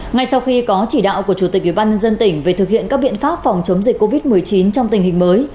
ngay sau khi có chỉ đạo của chủ tịch ubnd tỉnh về thực hiện các biện pháp phòng chống dịch covid một mươi chín trong tình hình mới